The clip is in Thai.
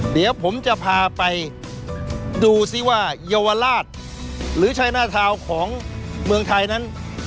เดี๋ยวผมจะพาไปดูซิว่าเยาวราชหรือชัยหน้าทาวน์ของเมืองไทยนั้น